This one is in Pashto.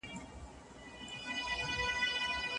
زوی به په لاره کي نه وي ورک سوی.